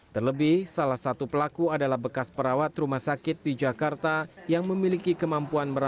terlebih salah satu pelaku adalah bekas perawat rumah sakit di jakarta yang memiliki kemampuan merawat